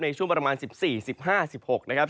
ในช่วงประมาณ๑๔หรือ๑๕หรือ๑๖นะครับ